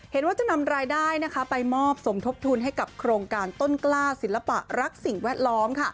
เห็นว่าจะนำรายได้ไปมอบสมทบทุนให้กับโครงการต้นกล้าศิลปะรักสิ่งแวดล้อม